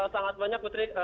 sangat banyak putri